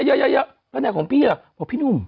ข้าแหน่งของพี่อ่ะพี่นุ่ม